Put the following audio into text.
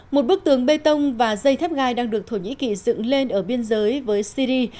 một bức tường bê tông và dây thép gai đang được thổ nhĩ kỳ dựng lên ở biên giới với syri